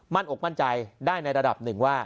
อกมั่นใจได้ในระดับหนึ่งว่า